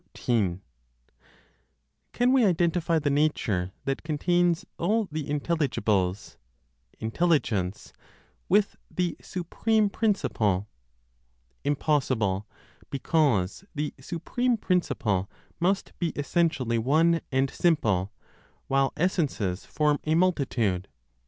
Can we identify the nature that contains all the intelligibles (Intelligence) with the supreme Principle? Impossible, because the supreme Principle must be essentially one, and simple, while essences form a multitude.